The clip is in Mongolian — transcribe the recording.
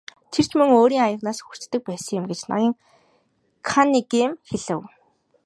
Тэр ч мөн өөрийн аяганаас хүртдэг байсан юм гэж ноён Каннингем хэлэв.